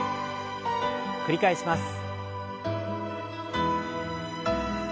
繰り返します。